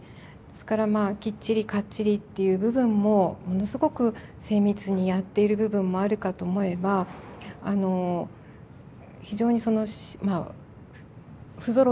ですからまあきっちりかっちりっていう部分もものすごく精密にやっている部分もあるかと思えばあの非常にその不ぞろいな部分。